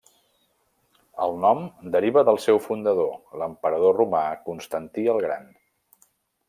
El nom deriva del seu fundador, l'emperador romà Constantí el Gran.